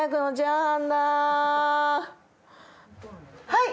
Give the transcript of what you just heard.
はい。